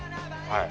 はい。